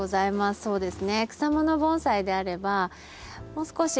そうですね。